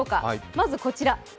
まずこちら。